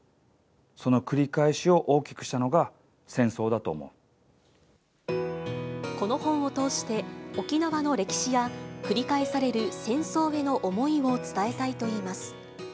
その繰り返しを大きくしたのが戦この本を通して、沖縄の歴史や繰り返される戦争への思いを伝えたいといいます。